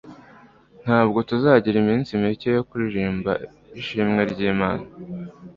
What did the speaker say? Ntabwo tuzagira iminsi mike yo kuririmba ishimwe ry'Imana